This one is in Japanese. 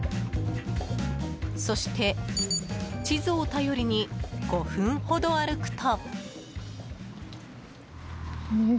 そして、地図を頼りに５分ほど歩くと。